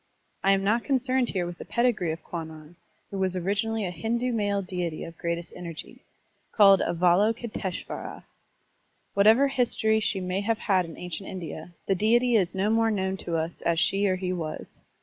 I am not concerned here with the pedigree of Kwannon, who was origi nally a Hindu male deity of greatest energy, called Avalokiteshvara. Whatever history she may have had in ancient India, the deity is no more known to us as she or he was.